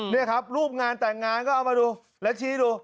นี่ครับรูปงานแต่งงานก็เอามาดูแล้วชี้ดู